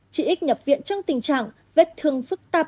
chị x nhập viện trong tình trạng vết thương phức tạp